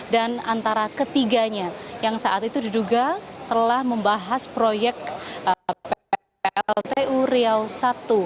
dan antara ketiganya yang saat itu diduga telah membahas proyek pltu riau i